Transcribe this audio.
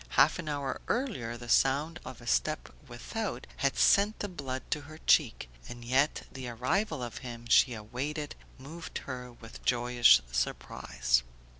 Half an hour earlier the sound of a step without had sent the blood to her cheek, and yet the arrival of him she awaited moved her with joyous surprise.